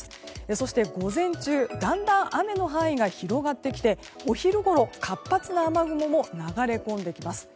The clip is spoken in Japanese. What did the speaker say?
そして午前中だんだん雨の範囲が広がってきてお昼ごろ、活発な雨雲も流れ込んできます。